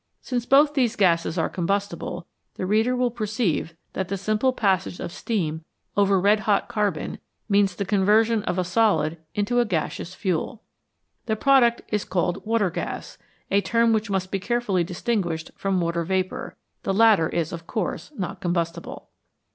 Since both these gases are combustible, the reader will perceive that the simple passage of steam over red hot carbon means the conversion of a solid into a gaseous fuel. The product is called " water gas," a term which must be carefully distinguished from "water vapour"; the latter is of course not combustible.